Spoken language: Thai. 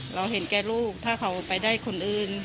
เราเห็นแก่ลูกถ้าเขาไปได้คนอื่น